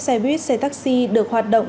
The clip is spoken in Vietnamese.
xe buýt xe taxi được hoạt động